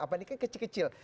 ini kan kecil kecil